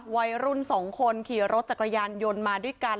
วัยรุ่น๒คนขี่รถจักรยานยนต์มาด้วยกัน